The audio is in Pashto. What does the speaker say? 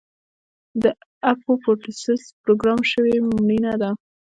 د اپوپټوسس پروګرام شوې مړینه ده.